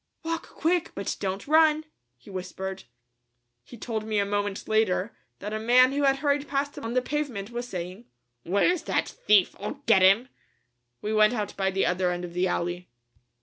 "Walk quick, but don't run," he whispered. He told me a moment later that a man who had hurried past him on the pavement was saying, "Where's that thief? I'll get him!" We went out by the other end of the alley.